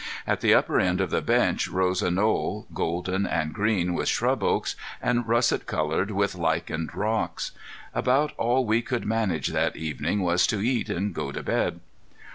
At the upper end of the bench rose a knoll, golden and green with scrub oaks, and russet colored with its lichened rocks. About all we could manage that evening was to eat and go to bed.